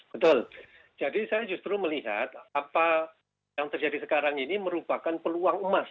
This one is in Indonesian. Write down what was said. betul jadi saya justru melihat apa yang terjadi sekarang ini merupakan peluang emas